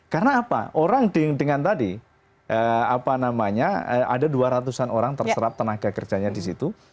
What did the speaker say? karena apa orang dengan tadi apa namanya ada dua ratus an orang terserap tenaga kerjanya di situ